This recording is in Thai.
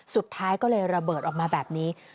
สุดท้ายก็เลยระเบิดออกมาแบบนี้